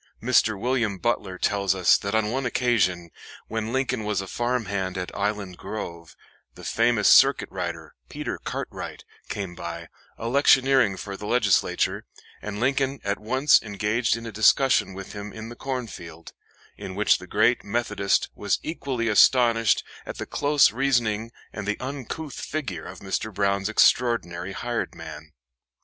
Mr. William Butler tells us that on one occasion, when Lincoln was a farmhand at Island Grove, the famous circuit rider, Peter Cartwright, came by, electioneering for the Legislature, and Lincoln at once engaged in a discussion with him in the cornfield, in which the great Methodist was equally astonished at the close reasoning and the uncouth figure of Mr. Brown's extraordinary hired man.